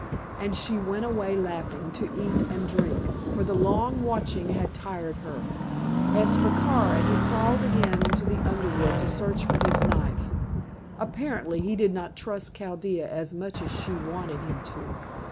and she went away laughing, to eat and drink, for the long watching had tired her. As for Kara he crawled again into the underwood to search for his knife. Apparently he did not trust Chaldea as much as she wanted him to.